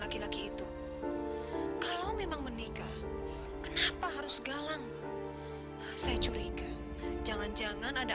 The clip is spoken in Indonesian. laki laki itu kalau memang menikah kenapa harus galang saya curiga jangan jangan ada